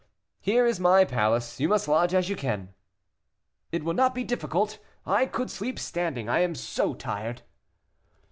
"Here is my palace; you must lodge as you can." "It will not be difficult; I could sleep standing, I am so tired."